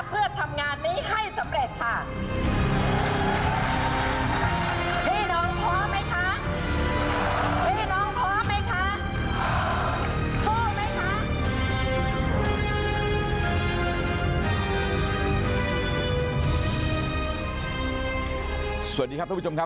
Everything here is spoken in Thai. เพื่อทำงานนี้ให้สำเร็จค่ะ